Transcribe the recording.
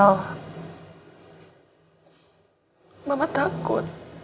oh mama takut